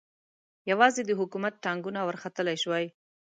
یوازې د حکومت ټانګونه ورختلای شوای.